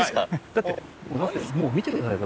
だって見てくださいよ。